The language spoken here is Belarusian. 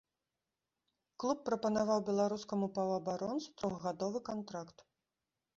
Клуб прапанаваў беларускаму паўабаронцу трохгадовы кантракт.